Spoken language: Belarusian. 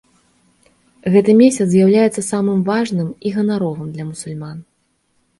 Гэты месяц з'яўляецца самым важным і ганаровым для мусульман.